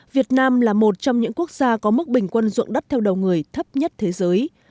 việt nam là một trong những quốc gia có mức bình quân dụng đất theo đầu người thấp nhất thế giới